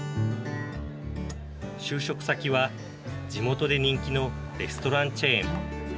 就職先は、地元で人気のレストランチェーン。